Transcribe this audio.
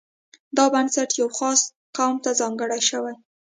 دا بنسټ یوه خاص قوم ته ځانګړی شوی.